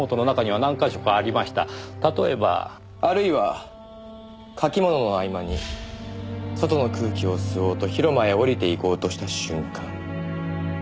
「あるいは書きものの合間に外の空気を吸おうと広間へ降りて行こうとした瞬間」。